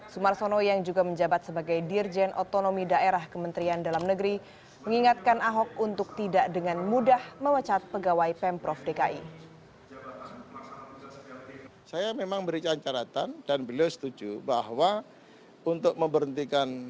sumarsono yang juga menjabat sebagai dirjen otonomi daerah kementerian dalam negeri mengingatkan ahok untuk tidak dengan mudah memecat pegawai pemprov dki